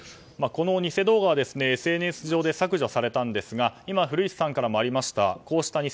この偽動画はＳＮＳ上で削除されたんですが今、古市さんからもありました